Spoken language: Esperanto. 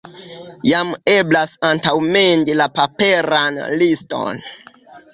Jam eblas antaŭmendi la paperan liston.